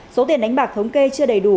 số tiền đánh bạc thống kê chưa đầy đủ